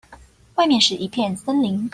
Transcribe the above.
外面是一片森林